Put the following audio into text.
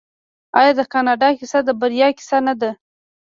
آیا د کاناډا کیسه د بریا کیسه نه ده؟